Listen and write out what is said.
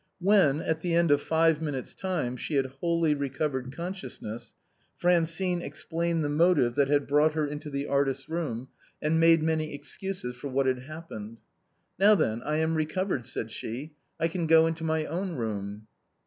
When, at the end of five min 228 THE BOHEMIANS OF THE LATIN QUARTER. utes' time, she had wholl}» recovered consciousness, Fran cine explained the motive that had brought her into the artist's room, and made many excuses for what had hap pened. " Now, then^ I am recovered/' said she, " I can go in to my own room."